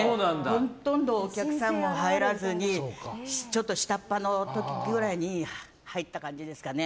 ほとんどお客さんも入らずに下っ端の時に入った感じですかね。